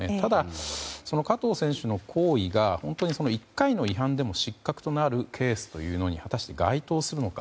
ただ、加藤選手の行為が本当に１回の違反でも失格となるケースというのに果たして該当するのか。